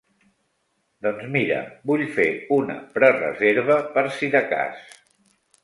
Doncs mira, vull fer una prereserva per si de cas.